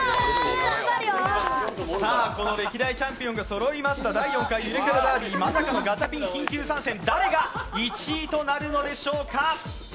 この歴代チャンピオンがそろいました第４回ゆるキャラダービー、まさかのガチャピンが緊急参戦、誰が１位となるのでしょうか。